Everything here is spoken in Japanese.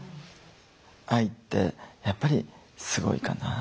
愛ってやっぱりすごいかな。